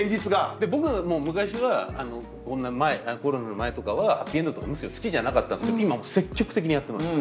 で僕も昔はこんなコロナの前とかはハッピーエンドとかむしろ好きじゃなかったんですけど今積極的にやってます。